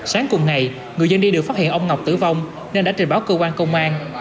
sáng cùng ngày người dân đi được phát hiện ông ngọc tử vong nên đã trình báo cơ quan công an